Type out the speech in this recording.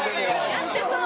やってそう！